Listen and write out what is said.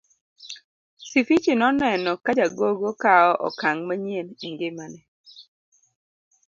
Sifichi noneno ka jagogo kawo okang' manyien e ngimane.